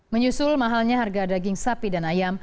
menyusul mahalnya harga daging sapi dan ayam